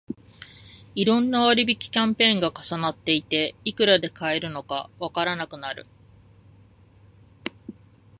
いろんな割引キャンペーンが重なっていて、いくらで買えるのかわからなくなる